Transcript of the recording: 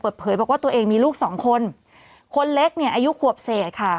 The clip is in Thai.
เปิดเผยบอกว่าตัวเองมีลูกสองคนคนเล็กเนี่ยอายุขวบเศษค่ะ